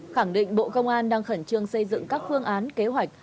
khẳng định bộ công an đang khẩn trương xây dựng các phương án kế hoạch